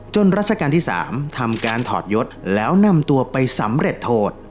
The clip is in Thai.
รัชกาลที่๓ทำการถอดยศแล้วนำตัวไปสำเร็จโทษ